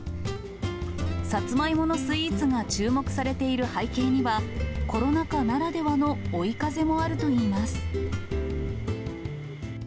サツマイモのスイーツが注目されている背景には、コロナ禍ならではの追い風もあるといいます。